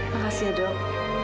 makasih ya dok